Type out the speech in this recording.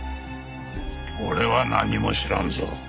俺は何も知らんぞ。